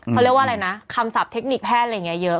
เขาเรียกว่าอะไรนะคำศัพท์เทคนิคแพทย์อะไรอย่างนี้เยอะ